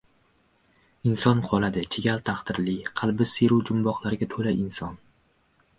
Inson qoladi – chigal taqdirli, qalbi siru jumboqlarga to‘la inson.